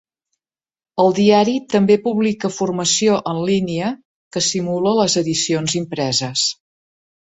El diari també publica formació en línia que simula les edicions impreses.